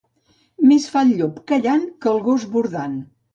Més fa el llop callant, que el gos bordant.